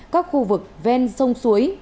các khu vực ven sông suối